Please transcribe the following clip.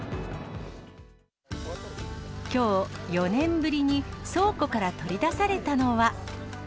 きょう、４年ぶりに倉庫から取り出されたのは。